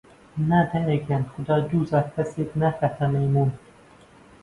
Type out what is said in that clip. نا دایە گیان، خودا دوو جار کەس ناکەتە مەیموون!